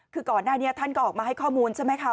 คือก่อนหน้านี้ท่านก็ออกมาให้ข้อมูลใช่ไหมคะ